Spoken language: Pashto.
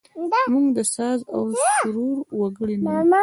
موږ د ساز او سرور وګړي نه یوو.